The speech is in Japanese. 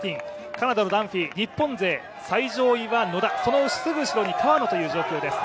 カナダのダンフィー日本勢、最上位は野田そのすぐ後ろに川野という状況です。